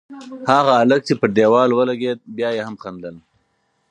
هغه هلک چې پر دېوال ولگېد، بیا یې هم خندل.